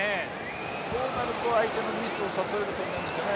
こうなると相手のミスを誘える感じですね。